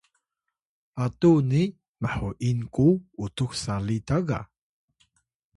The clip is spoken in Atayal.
atuni mhu’in ku utux sali ta ga